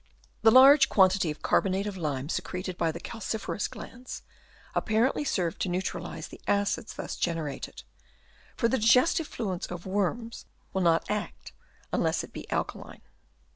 The large quantity of carbonate of lime secreted by the calciferous glands apparently serves to neutra lise the acids thus generated ; for the digestive fluid of worms will not act unless it be alkaline.